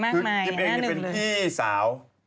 คือกิมเองเป็นพี่สาว